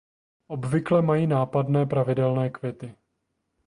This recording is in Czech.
Obvykle mají nápadné pravidelné květy.